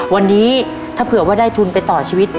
วันนี้ถ้าเผื่อว่าได้ทุนไปต่อชีวิต